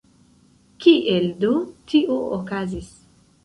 Kiel do tio okazis?